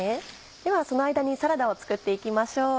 ではその間にサラダを作っていきましょう。